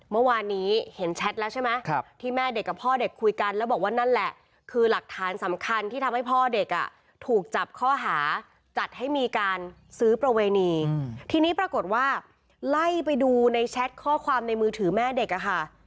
เมื่อวานนี้เห็นแชทแล้วใช่ไหมที่แม่เด็กกับพ่อเด็กคุยกันแล้วบอกว่านั่นแหละคือหลักฐานสำคัญที่ทำให้พ่อเด็กอ่ะถูกจับข้อหาจัดให้มีการซื้อประเวณีทีนี้ปรากฏว่าไล่ไปดูในแชทข้อความในมือถือแม่เด็กอะค่ะ